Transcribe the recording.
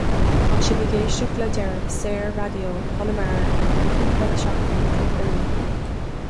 Tá sibh ag éisteacht le deireadh Saor-Raidió Chonamara ar feadh cúpla seachtain nó cúpla mí.